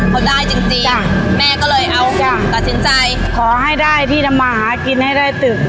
เขาได้จริงแม่ก็เลยเอาก่อนตัดสินใจขอให้ได้ที่ทำมาหากินให้ได้ตึก